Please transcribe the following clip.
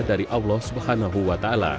dari allah swt